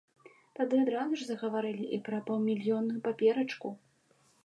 Тады адразу ж загаварылі і пра паўмільённую паперачку.